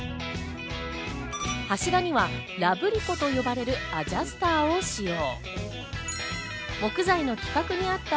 柱にはラブリコと呼ばれるアジャスターを使用。